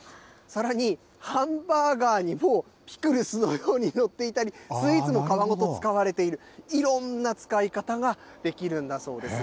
さらにハンバーガーにもピクルスのように載っていたり、スイーツにも皮ごと使われている、いろんな使い方ができるんだそうです。